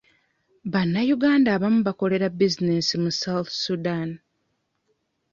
Bannayuganda abamu bakolera bizinensi mu south sudan.